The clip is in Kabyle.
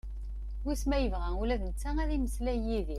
Wisen ma yebɣa ula d netta ad yemeslay d yid-i?